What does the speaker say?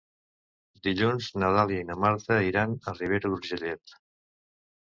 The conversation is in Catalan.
Dilluns na Dàlia i na Marta iran a Ribera d'Urgellet.